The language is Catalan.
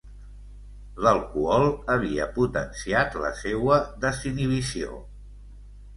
L'alcohol havia potenciat la seua desinhibició.